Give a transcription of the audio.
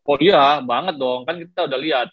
oh iya banget dong kan kita udah lihat